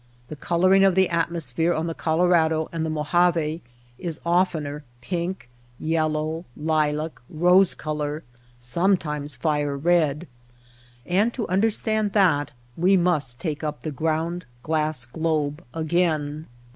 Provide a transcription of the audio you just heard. The coloring of the atmosphere on the Colorado and the Mojave is oftener pink, yellow, lilac, rose color, sometimes fire red. And to understand that we must take up the ground glass globe again.